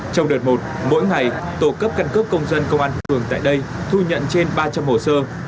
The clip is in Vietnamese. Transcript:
trong đợt một mỗi ngày tổ cấp căn cước công dân công an phường tại đây thu nhận trên ba trăm linh hồ sơ